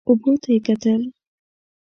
اوبو ته یې وکتل.